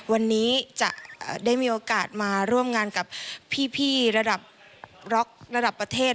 วันนี้จะได้มีโอกาสมาร่วมงานกับพี่ระดับร็อกระดับประเทศ